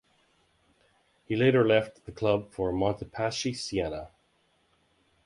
He later left the club for Montepaschi Siena.